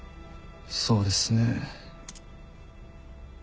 そうですね。